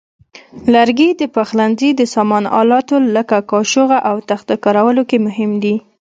لرګي د پخلنځي د سامان آلاتو لکه کاشوغو او تخته کارولو کې مهم دي.